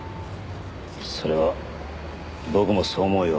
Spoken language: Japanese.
それは僕もそう思うよ。